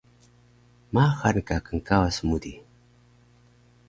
Maxal ka knkawas mu di